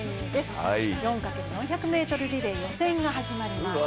４×４００ｍリレー予選が始まります。